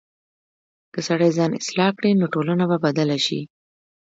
که سړی ځان اصلاح کړي، نو ټولنه به بدله شي.